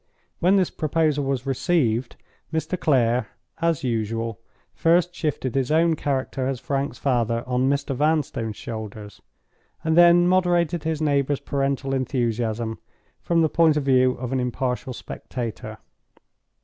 When this proposal was received, Mr. Clare, as usual, first shifted his own character as Frank's father on Mr. Vanstone's shoulders—and then moderated his neighbor's parental enthusiasm from the point of view of an impartial spectator.